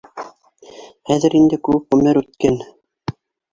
Хәҙер инде күп ғүмер үткән